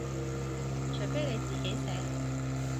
除非你自己寫